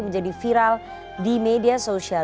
menjadi viral di media sosial